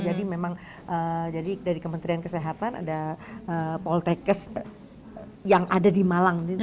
jadi memang dari kementerian kesehatan ada poltec kesepalang yang ada di malang